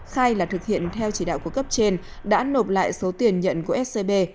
khai là thực hiện theo chỉ đạo của cấp trên đã nộp lại số tiền nhận của scb